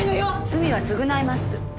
罪は償います。